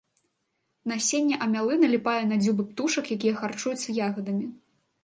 Насенне амялы наліпае на дзюбы птушак, якія харчуюцца ягадамі.